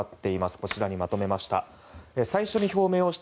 こちらにまとめました。